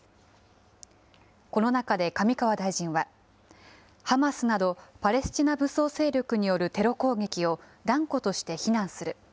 この中で上川大臣は、ハマスなど、パレスチナ武装勢力によるテロ攻撃を断固として非難する。